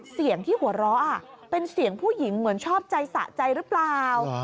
เสียงที่หัวเราะเป็นเสียงผู้หญิงเหมือนชอบใจสะใจหรือเปล่า